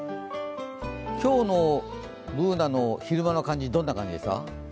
今日のＢｏｏｎａの昼間の感じ、どんな感じですか？